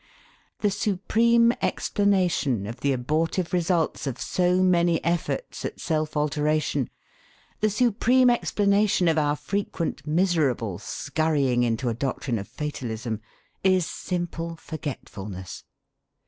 The supreme explanation of the abortive results of so many efforts at self alteration, the supreme explanation of our frequent miserable scurrying into a doctrine of fatalism, is simple forgetfulness.